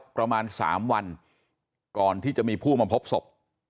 ประมาณ๓วันก่อนที่จะมีผู้มาพบศพ